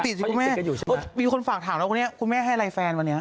ติดสิคุณแม่มีคนฝากถามแล้วคุณแม่คุณแม่ให้อะไรแฟนวันเนี้ย